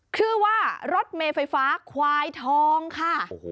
คือว่ารถเมฝเฟย์ฟ้าควายทองค่ะ